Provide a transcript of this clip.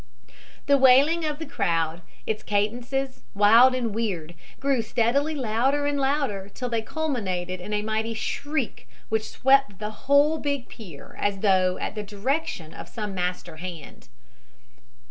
The wailing of the crowd its cadences, wild and weird grew steadily louder and louder till they culminated in a mighty shriek, which swept the whole big pier as though at the direction of some master hand.